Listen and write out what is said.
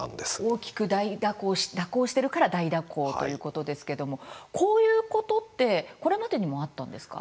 大きく大蛇行蛇行しているから大蛇行ということですけどもこういうことってこれまでにもあったんですか。